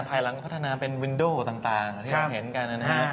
ภายหลังพัฒนาเป็นวินโดต่างที่เราเห็นกันนะฮะ